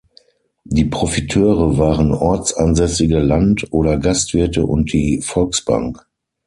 Die Profiteure waren ortsansässige Land- oder Gastwirte und die Volksbank.